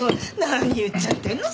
何言っちゃってんの？